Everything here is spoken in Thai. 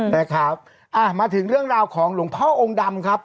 นะครับมาถึงเรื่องราวของหลวงพ่อองค์ดำครับ